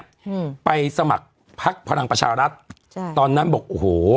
อืมไปสมัครพักพลังประชารัฐใช่ตอนนั้นบอกโอ้โห